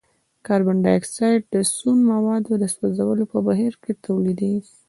کاربن ډای اکسايډ د سون موادو د سوځولو په بهیر کې تولیدیږي.